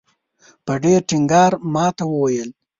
په ډېر ټینګار ماته وویل.